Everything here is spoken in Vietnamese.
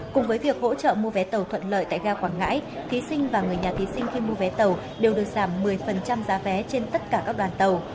cùng với việc hỗ trợ mua vé tàu thuận lợi tại ga quảng ngãi thí sinh và người nhà thí sinh khi mua vé tàu đều được giảm một mươi giá vé trên tất cả các đoàn tàu